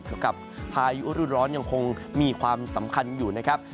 กับพายุรุ่นร้อนยังคงมีความสำคัญอยู่นะครับ